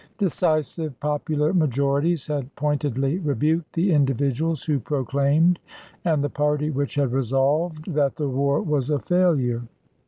Decisive popular majorities had pointedly rebuked the individuals who proclaimed, and the party which had resolved, that the war was a failure.